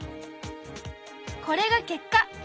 これが結果！